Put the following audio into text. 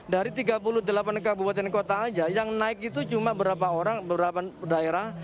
dari tiga puluh delapan kabupaten kota saja yang naik itu cuma berapa orang beberapa daerah